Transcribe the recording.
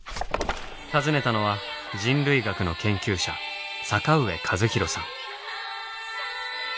訪ねたのは人類学の研究者坂上和弘さん。